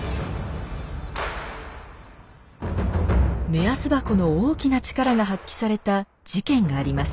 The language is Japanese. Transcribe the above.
目安箱の大きな力が発揮された事件があります。